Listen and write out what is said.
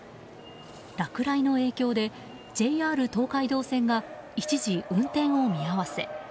落雷の影響でＪＲ東海道線が一時運転を見合わせ。